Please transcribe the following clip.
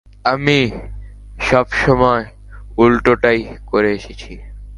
আমি সবসময় উল্টোটাই করে এসেছি।